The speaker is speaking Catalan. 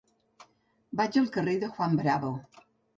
Vaig al carrer de Juan Bravo.